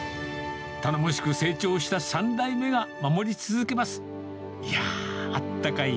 頼もしく成長した３代目が守り続けます。